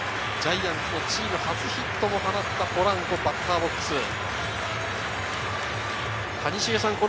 ジャイアンツのチーム初ヒットも放ったポランコ、バッターボックス。